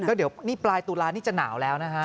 ก็เดี๋ยวนี่ปลายตุลานี่จะหนาวแล้วนะฮะ